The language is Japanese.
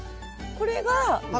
これが。